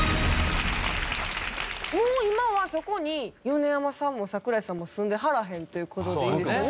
もう今はそこに米山さんも桜井さんも住んではらへんっていう事でいいんですよね。